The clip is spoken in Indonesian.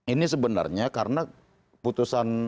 ini sebenarnya karena putusan